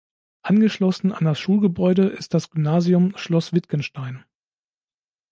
Angeschlossen an das Schulgebäude ist das Gymnasium Schloss Wittgenstein.